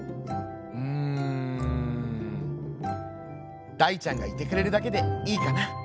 「うん大ちゃんがいてくれるだけでいいかな」。